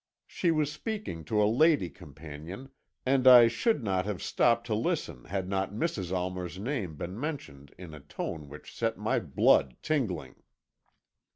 She was speaking to a lady companion, and I should not have stopped to listen had not Mrs. Almer's name been mentioned in a tone which set my blood tingling.